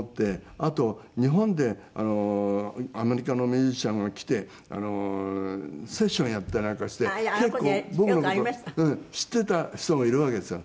あと日本でアメリカのミュージシャンが来てセッションをやったりなんかして結構僕の事を知っていた人がいるわけですよ。